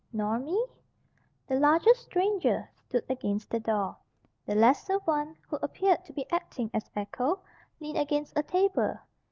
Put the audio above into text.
"Nor me?" The larger stranger stood against the door. The lesser one, who appeared to be acting as echo, leaned against a table.